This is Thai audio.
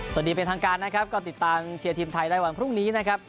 สวัสดีเป็นทางการนะครับก็ติดตามเชียร์ทีมไทยได้วันพรุ่งนี้นะครับ